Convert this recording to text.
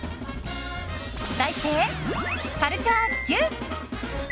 題して、カルチャーＱ！